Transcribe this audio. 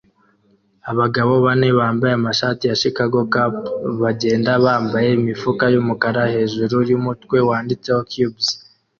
Abagabo bane bambaye amashati ya Chicago Cubs bagenda bambaye imifuka yumukara hejuru yumutwe wanditseho "CUBS"